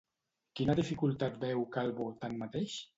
Quina dificultat veu Calvo, tanmateix?